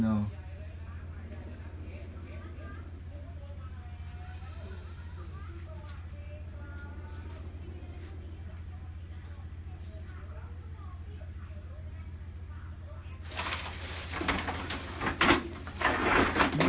ก็เป็นความให้ชอบ